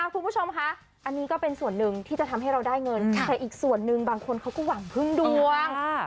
คุณผู้ชมคะอันนี้ก็เป็นส่วนหนึ่งที่จะทำให้เราได้เงินแต่อีกส่วนหนึ่งบางคนเขาก็หวังพึ่งดวง